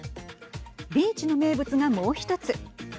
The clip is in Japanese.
ビーチの名物がもう１つ。